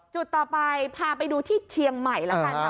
จุดต่อไปพาไปดูที่เชียงใหม่แล้วกันค่ะ